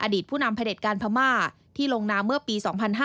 อดีตผู้นำเภรษการพม่าที่ลงนามเมื่อปี๒๕๕๒